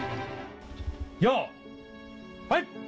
・よいはい！